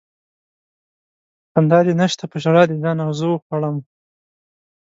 خندا دې نشته په ژړا دې ځان او زه وخوړم